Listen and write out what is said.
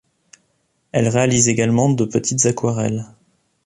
Elle réalise également de petites aquarelles.